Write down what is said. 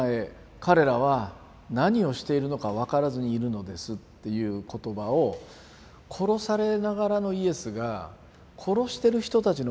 彼らは何をしているのかわからずにいるのです」っていう言葉を殺されながらのイエスが殺してる人たちのことを祈るんですね。